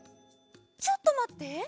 ちょっとまって。